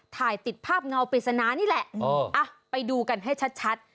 ถ่ายติดภาพเงาปริศนานี่แหละไปดูกันให้ชัด